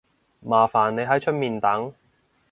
麻煩你喺出面等